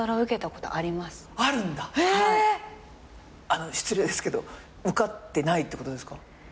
あのう失礼ですけど受かってないってことですか？